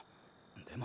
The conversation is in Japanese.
でも。